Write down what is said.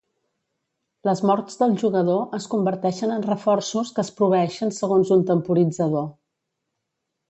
Les morts del jugador es converteixen en reforços que es proveeixen segons un temporitzador.